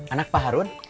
anak pak harun